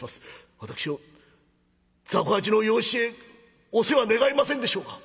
私を雑穀八の養子へお世話願えませんでしょうか」。